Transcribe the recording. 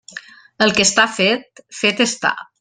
El que està fet, fet està.